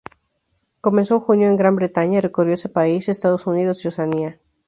Comenzó en junio en Gran Bretaña, y recorrió ese país, Estados Unidos y Oceanía.